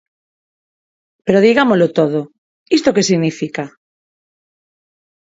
Pero digámolo todo: ¿isto que significa?